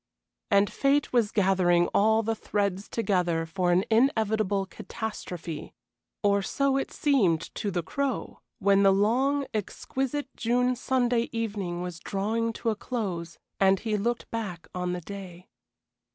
And fate was gathering all the threads together for an inevitable catastrophe, or so it seemed to the Crow when the long, exquisite June Sunday evening was drawing to a close and he looked back on the day.